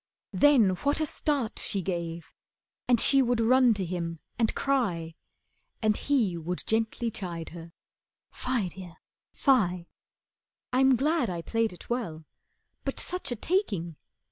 Then what a start She gave, and she would run to him and cry, And he would gently chide her, "Fie, Dear, fie. I'm glad I played it well. But such a taking!